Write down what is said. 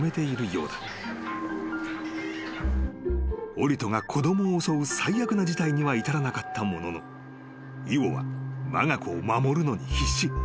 ［オリトが子供を襲う最悪な事態には至らなかったもののイオはわが子を守るのに必死］